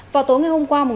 vào tối ngày hôm qua